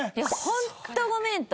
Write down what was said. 「ホントごめん！」と。